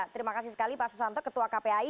terima kasih sekali pak susanto ketua kpai